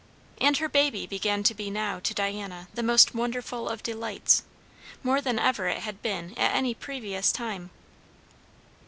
And her baby began to be now to Diana the most wonderful of delights; more than ever it had been at any previous time.